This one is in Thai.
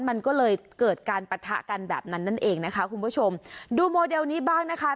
มันก็เลยเกิดการปะทะกันแบบนั้นนั่นเองนะคะคุณผู้ชมดูโมเดลนี้บ้างนะคะ